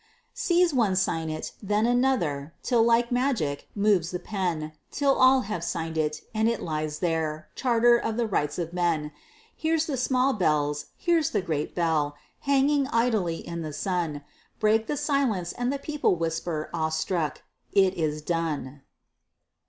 Sees one sign it, then another, till like magic moves the pen, Till all have signed it, and it lies there, charter of the rights of men. Hears the small bells, hears the great bell, hanging idly in the sun, Break the silence, and the people whisper, awe struck, "It is done."